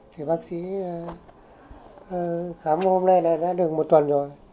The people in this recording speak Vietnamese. thì bác sĩ khám hôm nay đã được một tuần rồi